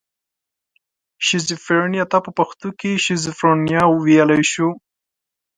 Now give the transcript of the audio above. شیزوفرنیا ته په پښتو کې شیزوفرنیا ویلی شو.